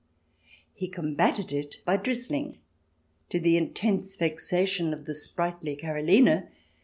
He combated it by " drizzling "— to the intense vexation of the sprightly Karoline.